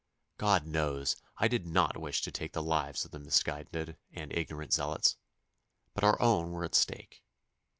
God knows, I did not wish to take the lives of the misguided and ignorant zealots, but our own were at stake.